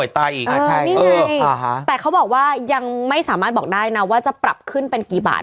นี่ไงแต่เขาบอกว่ายังไม่สามารถบอกได้นะว่าจะปรับขึ้นเป็นกี่บาท